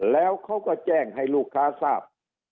แล้วเขาก็แจ้งให้ลูกค้าทราบ